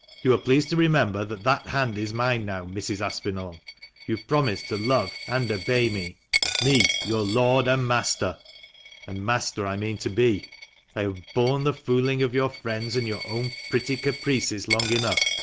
You will please to remember that that hand is mine now, Mrs, Aspinall. You have promised to love and obey me — ME your LORD 3go THE MANCHESTER MAN. and MASTER. And MASTER I mean to be. I have borne the fooling of your friends and your own pretty caprices long enough.